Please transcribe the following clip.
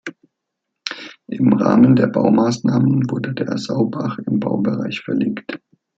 Im Rahmen der Baumaßnahmen wurde der Saubach im Baubereich verlegt.